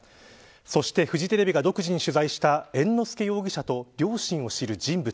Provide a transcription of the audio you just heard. そしてフジテレビが独自に取材した、猿之助容疑者と両親を知る人物。